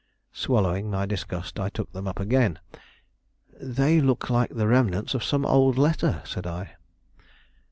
Swallowing my disgust, I took them up again. "They look like the remnants of some old letter," said I.